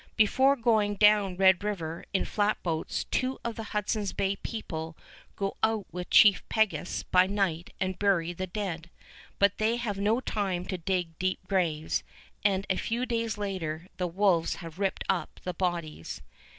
Before going down Red River in flatboats two of the Hudson's Bay people go out with Chief Peguis by night and bury the dead; but they have no time to dig deep graves, and a few days later the wolves have ripped up the bodies.